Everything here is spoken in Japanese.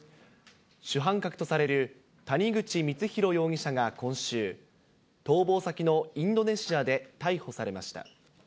主犯格とされる谷口光弘容疑者が今週、逃亡先のインドネシアで逮捕されました。